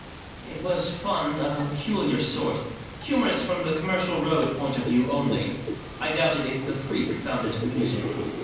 It was fun of a peculiar sort ; humorous from the Commercial Road point of view only, I doubted if the "Freak" found it amusing.